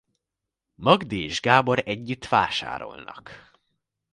Magdi és Gábor együtt vásárolnak.